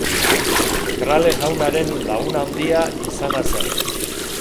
Crale jaunaren lagun handia izana zen.